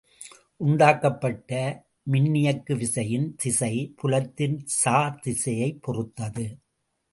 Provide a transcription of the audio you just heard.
உண்டாக்கப்பட்ட மின்னியக்கு விசையின் திசை, புலத்தின் சார்திசையைப் பொறுத்தது.